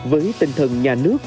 với tinh thần nhà nước